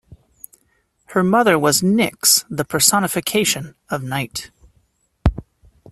Her mother was Nyx, the personification of night.